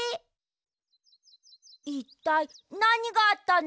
いったいなにがあったの？